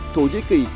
thổ nhĩ kỳ